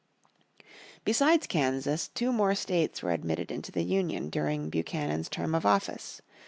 Besides Kansas, two more states were admitted into the Union during Buchanan's term of office.